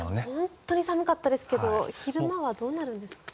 本当に寒かったですけど昼間はどうなるんですか。